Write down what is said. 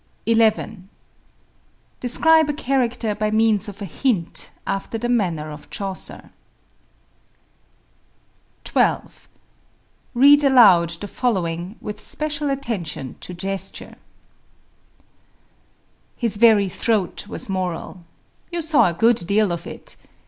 11. Describe a character by means of a hint, after the manner of Chaucer (p. 235). 12. Read aloud the following with special attention to gesture: His very throat was moral. You saw a good deal of it.